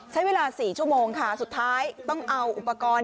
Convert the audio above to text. ใช้เวลา๔ชั่วโมงค่ะสุดท้ายต้องเอาอุปกรณ์